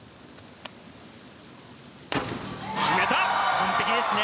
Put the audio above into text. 完璧ですね。